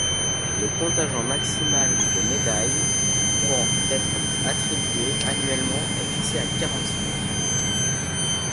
Le contingent maximal de médailles pouvant être attribuées annuellement est fixé à quarante cinq.